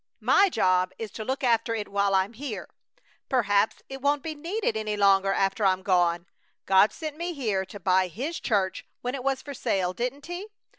My job is to look after it while I'm here. Perhaps it won't be needed any longer after I'm gone. God sent me here to buy His church when it was for sale, didn't He?